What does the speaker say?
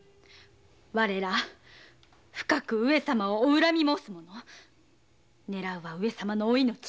我ら上様をお恨み申す者ねらうは上様のお命。